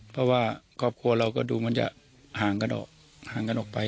เพราะว่าครอบครัวเราก็ดูมันจะห่างกันออกห่างกันออกไป